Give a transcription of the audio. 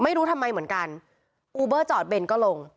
ไม่รู้ทำไมเหมือนกันอูเบอร์จอดเบนก็ลง